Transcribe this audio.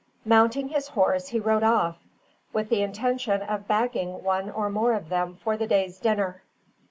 Mounting his horse, he rode off, with the intention of bagging one or more of them for the day's dinner.